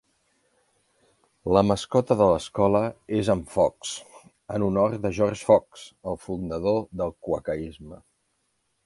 La mascota de l'escola és en Fox, en honor de George Fox, el fundador del quaquerisme.